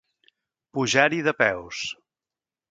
Pujar-hi de peus.